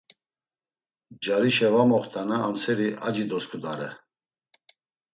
Carişe var moxt̆ana amseri aci dosǩudare.